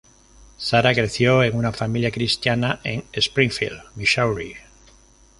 Sara creció en una familia cristiana en Springfield, Missouri.